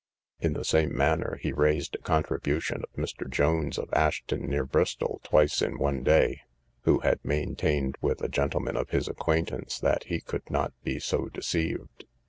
In the same manner he raised a contribution of Mr. Jones, of Ashton near Bristol, twice in one day, who had maintained, with a gentleman of his acquaintance, that he could not be so deceived.